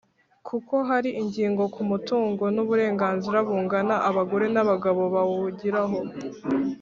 kuko hari ingingo ku mutungo n’uburenganzira bungana abagore n’abagabo bawugiraho.